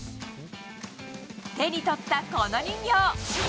手に取ったこの人形。